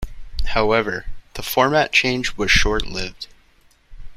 However, the format change was short lived.